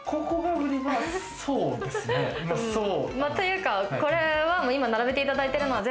そうですね。というかこれは今並べていただいてるのは。